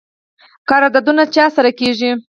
قراردادونه چا سره کیږي؟